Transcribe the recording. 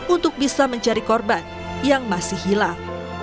untuk bisa mencari korban yang masih hilang